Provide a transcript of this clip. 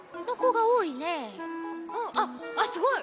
あっすごい！